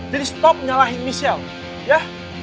jadi stop nyalahin micelle ya